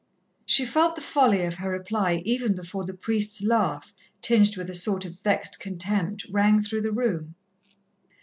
She felt the folly of her reply even before the priest's laugh, tinged with a sort of vexed contempt, rang through the room.